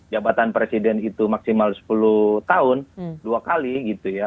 jabatan presiden itu maksimal sepuluh tahun dua kali gitu ya